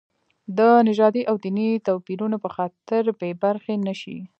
د نژادي او دیني توپیرونو په خاطر بې برخې نه شي.